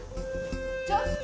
ちょっと！